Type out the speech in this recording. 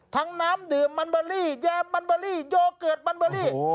น้ำดื่มมันเบอรี่แยมมันเบอรี่โยเกิร์ตมันเบอรี่